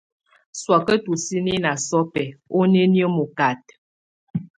Sɔaka tusini na sɔbɛ onienə mɔkata.